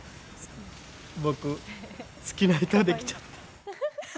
僕好きな人できちゃった。